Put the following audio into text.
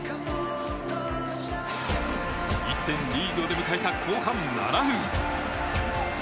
１点リードで迎えた後半７分。